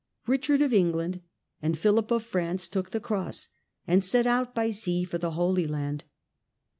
Richard of England and Philip of France took the cross and set out by sea for the Holy Land.